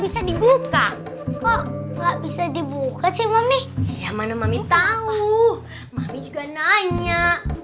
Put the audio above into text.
bisa dibuka kok nggak bisa dibuka sih mami ya mana mami tahu mami juga nanya